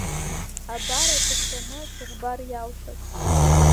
Абар аҵыхәтәаны ацәыкәбар иалшаз…